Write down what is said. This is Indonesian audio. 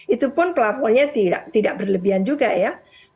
itu pun pelapornya tidak berlebihan juga ya